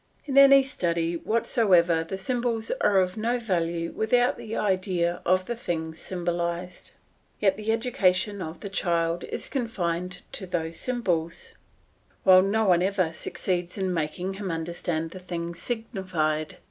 In any study whatsoever the symbols are of no value without the idea of the things symbolised. Yet the education of the child in confined to those symbols, while no one ever succeeds in making him understand the thing signified.